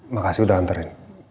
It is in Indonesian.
makasih udah anterin